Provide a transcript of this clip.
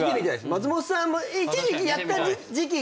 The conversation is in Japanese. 松本さんも一時期やった時期が。